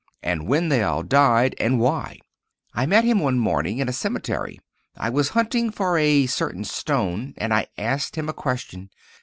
and when they all died, and why. I met him one morning in a cemetery. I was hunting for a certain stone and I asked him a question.